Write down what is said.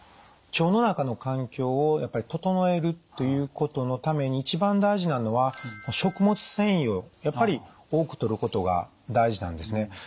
腸の中の環境を整えるということのために一番大事なのは食物繊維をやっぱり多くとることが大事なんですね。